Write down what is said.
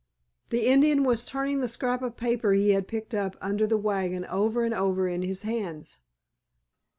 The Indian was turning the scrap of paper he had picked up under the wagon over and over in his hands.